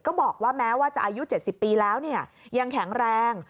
ก็บอกว่าแม้ว่าจะอายุ๗๐ปีแล้วยังแข็งแรง